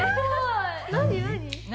何？